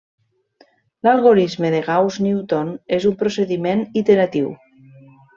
L'algorisme de Gauss-Newton és un procediment iteratiu.